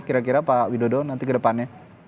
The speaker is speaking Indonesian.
kira kira pak widodo nanti kedepannya